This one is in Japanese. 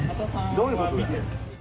どういうことだよ。